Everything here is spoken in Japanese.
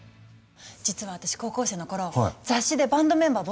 実は私高校生の頃雑誌でバンドメンバー募集してたのよ。